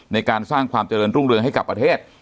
ในการสร้างความเจริญรุ่งเรืองให้กับประเทศ